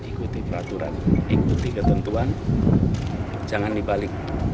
ikuti peraturan ikuti ketentuan jangan dibalik